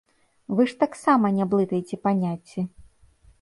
Вы ж таксама не блытайце паняцці.